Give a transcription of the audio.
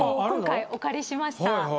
今回お借りしました。